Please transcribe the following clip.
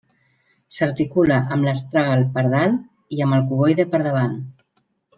S'articula amb l'astràgal per dalt i amb el cuboide per davant.